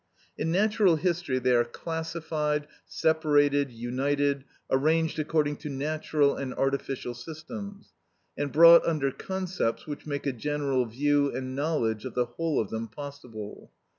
In natural history they are classified, separated, united, arranged according to natural and artificial systems, and brought under concepts which make a general view and knowledge of the whole of them possible.